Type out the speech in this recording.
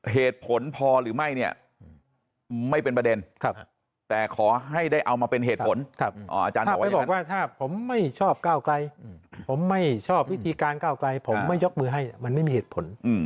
เหตุผลพอหรือไม่เนี่ยไม่เป็นประเด็นแต่ขอให้ได้เอามาเป็นเหตุผลอาจารย์บอกว่าถ้าผมไม่ชอบก้าวไกลผมไม่ชอบวิธีการก้าวไกลผมไม่ยกมือให้มันไม่มีเหตุผล